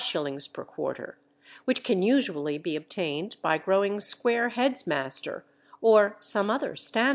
_ per quarter, which can usually be obtained by growing Square Head's Master, or some other standard variety.